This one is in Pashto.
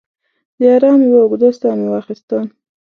د ارام یوه اوږده ساه مې واخیسته.